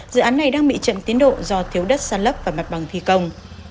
dự án này đang bị chậm tiến độ do thiếu đất sát lấp và mặt bằng thi công